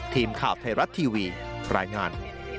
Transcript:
ทีมข่าวไทยรัฐทีวีรายงาน